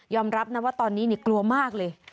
รับนะว่าตอนนี้กลัวมากเลย